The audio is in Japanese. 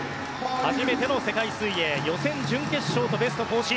初めての世界水泳、予選準決勝と自己ベストを更新。